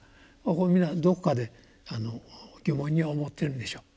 これ皆どこかで疑問に思ってるでしょう。